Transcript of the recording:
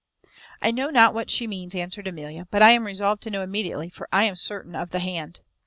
"I know not what she means," answered Amelia, "but I am resolved to know immediately, for I am certain of the hand.